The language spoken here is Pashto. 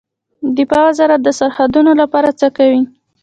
دفاع وزارت د سرحدونو لپاره څه کوي؟